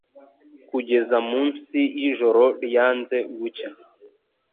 Kugeza munsi yijoro ryanze gucya